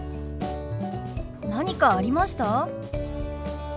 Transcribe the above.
何かありました？